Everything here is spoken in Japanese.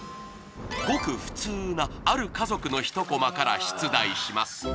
ごく普通なある家族の一コマから出題します